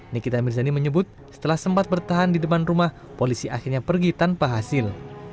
nikita mirzani menyebut setelah sempat bertahan di depan rumah polisi akhirnya pergi tanpa hasil